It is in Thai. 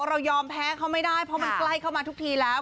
เรายอมแพ้เขาไม่ได้เพราะมันใกล้เข้ามาทุกทีแล้ว